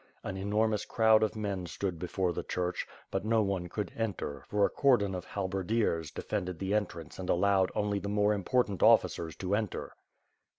An enormous crowd of men stood before the church, but no one could enter, for a cordon of halberdiers defended the entrance and allowed only the more important officers to enter.